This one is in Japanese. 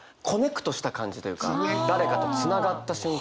誰かとつながった瞬間。